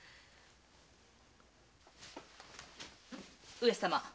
上様。